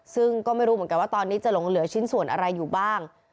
ซึ่งก็ไม่รู้เหมือนกันว่าตอนนี้จะหลงเหลือชิ้นส่วนอะไรอยู่บ้าง